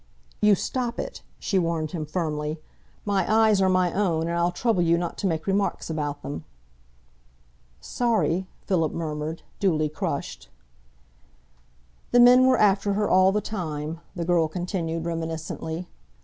"You stop it!" she warned him firmly. "My eyes are my own, and I'll trouble you not to make remarks about them." "Sorry," Philip murmured, duly crushed. "The men were after her all the time," the girl continued, reminiscently.